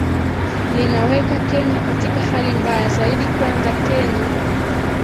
linaweka kenya katika hali mbaya zaidi kwanza kenya